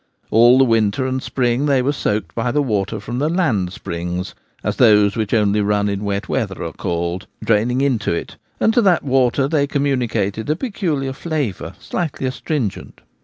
All the winter and spring they were soaked by the water from the ' land springs '— as those which only run in wet weather are called — draining into it, and to that water they . com municated a peculiar flavour, slightly astringent.